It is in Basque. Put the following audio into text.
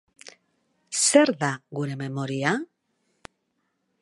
Zer da gure memoria?